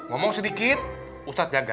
ngomong sedikit ustaz jaga